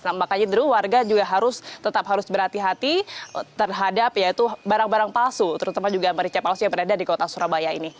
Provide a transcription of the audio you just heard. nah makanya dulu warga juga harus tetap harus berhati hati terhadap ya itu barang barang palsu terutama juga merica palsu yang berada di kota surabaya ini